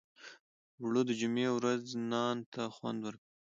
اوړه د جمعې ورځې نان ته خوند ورکوي